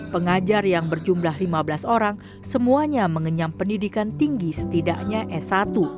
pengajar yang berjumlah lima belas orang semuanya mengenyam pendidikan tinggi setidaknya s satu